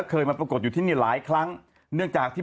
เคยมาปรากฏอยู่ที่นี่หลายครั้ง